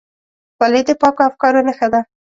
خولۍ د پاکو افکارو نښه ده.